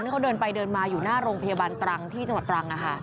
เขาเดินไปเดินมาอยู่หน้าโรงพยาบาลตรังที่จังหวัดตรัง